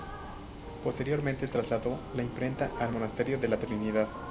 Posteriormente trasladó la imprenta al Monasterio de la Trinidad.